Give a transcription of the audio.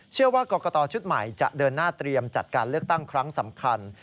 เชื่อว่ากรกตชุดใหม่จะเดินหน้าเตรียมจัดการเลือกตั้งครั้งสำคัญ